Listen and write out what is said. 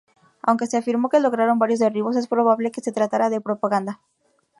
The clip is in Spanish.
Aunque se afirmó que lograron varios derribos, es probable que se tratara de propaganda.